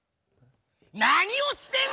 何をしてんだよ！